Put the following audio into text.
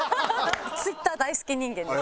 Ｔｗｉｔｔｅｒ大好き人間です。